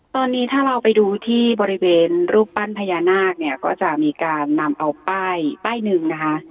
ตอนนี้ถ้าเราไปดูที่บริเวณรูปปั้นพญานาคเนี่ยก็จะมีการนำเอาป้ายป้ายหนึ่งนะคะ